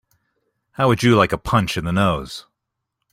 How would you like a punch in the nose?